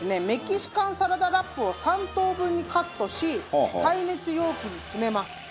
メキシカンサラダラップを３等分にカットし耐熱容器に詰めます。